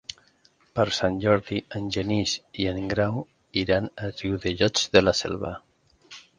Per Sant Jordi en Genís i en Grau iran a Riudellots de la Selva.